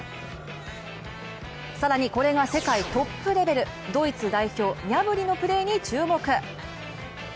更にこれが世界トップレベル、ドイツ代表・ニャブリのプレーに注目。